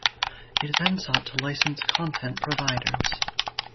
It then sought to license content providers.